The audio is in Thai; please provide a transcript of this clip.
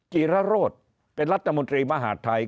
จีรโรธเป็นรัฐมนตรีมหาดไทย